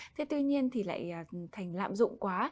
thế tuy nhiên thì lại thành lạm dụng quá